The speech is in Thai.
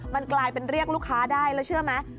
มันกลายเป็นเรียกลูกค้าได้แล้วเชื่อไหม